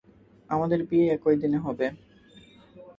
আমাদের বিয়ে একই দিনে হবে।